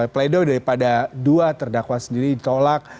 pleido daripada dua terdakwa sendiri ditolak